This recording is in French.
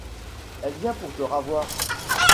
Elle vient pour te ravoir.